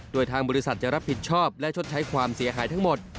โดยทางบริษัทจะรับผิดชอบและชดใช้ความเสียหายทั้งหมด